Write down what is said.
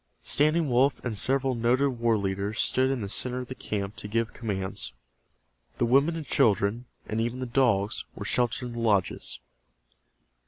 Standing Wolf and several noted war leaders stood in the center of the camp to give commands. The women and children, and even the dogs, were sheltered in the lodges.